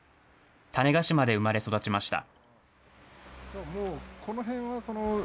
種子島で生まれ育ちました。